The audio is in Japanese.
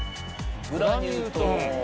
グラニュー糖。